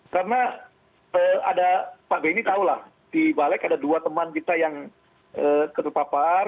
karena ada pak benny tahulah di baleg ada dua teman kita yang ketepapar